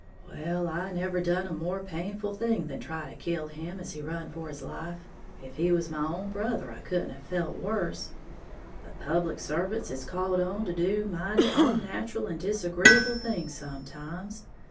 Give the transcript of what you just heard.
Well, I never done a more painful thing than try to kill him as he run for his life, if he was my own brother I couldn't have felt worse but public servants is called on to do mighty onnatural and disagreeable things sometimes.